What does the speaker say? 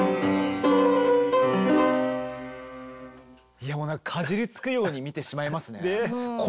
いやもうかじりつくように見てしまいますね。